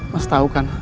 mas tau kan